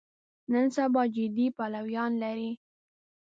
نن سبا جدي پلویان لري.